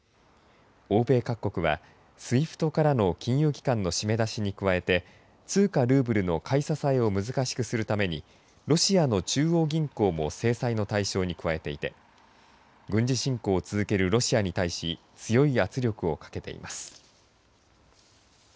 欧米各国はＳＷＩＦＴからの金融機関の締め出しに加えて通貨ルーブルの買い支えを難しくするためにロシアの中央銀行も制裁の対象に加えていて軍事侵攻を続けるロシアに対し強い圧力をかけています。